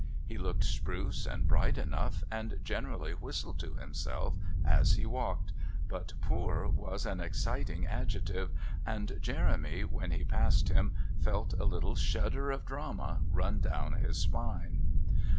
He looked spruce and bright enough, and generally whistled to himself as he walked; but "poor" was an exciting adjective, and Jeremy, when he passed him, felt a little shudder of drama run down his spine.